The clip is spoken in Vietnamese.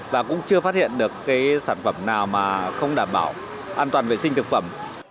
và cũng chưa phát hiện được cái sản phẩm nào mà không đảm bảo an toàn vệ sinh thực phẩm